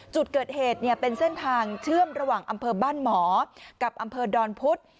จุดเกิดเหตุเนี่ยเป็นเส้นทางเชื่อมระหว่างอำเภอบ้านหมอกับอำเภอดอนพุธ